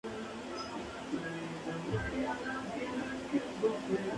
No se permite subir fotos de desnudos totales como fotos de perfil.